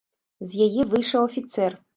З яе выйшаў афіцэр.